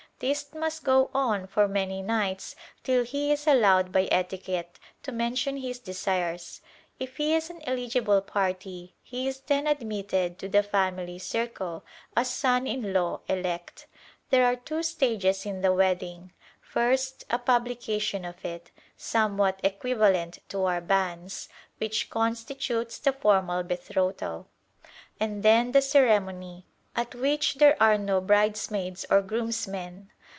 This must go on for many nights till he is allowed by etiquette to mention his desires. If he is an eligible parti, he is then admitted to the family circle as son in law elect. There are two stages in the wedding; first a publication of it, somewhat equivalent to our banns, which constitutes the formal betrothal; and then the ceremony, at which there are no bridesmaids or groomsmen.